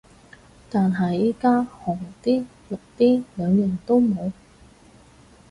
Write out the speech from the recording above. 但係而家紅的綠的兩樣都冇